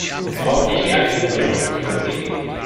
Wir brauchen nicht reaktive, sondern aktive Politiken.